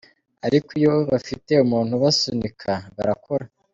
Ariko iyo bafite umuntu ubasunika barakora.